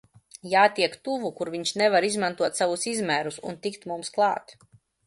Jātiek tuvu, kur viņš nevar izmantot savus izmērus un tikt mums klāt!